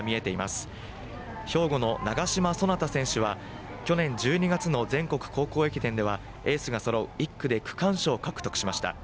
宝選手は去年１２月の全国高校駅伝ではエースがそろう１区で区間賞を獲得しました。